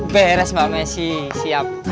beres mbak messi siap